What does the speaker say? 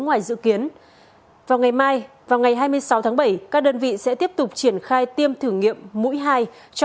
ngoài dự kiến vào ngày hai mươi sáu tháng bảy các đơn vị sẽ tiếp tục triển khai tiêm thử nghiệm mũi hai cho